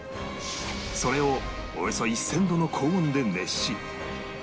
それをおよそ１０００度の高温で熱し